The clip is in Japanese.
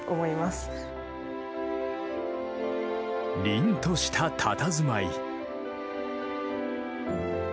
りんとしたたたずまい。